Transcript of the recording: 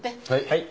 はい。